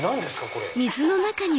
これ。